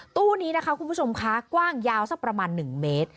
ตู้นี้นะคะคุณผู้ชมคะกว้างยาวสักประมาณ๑เมตร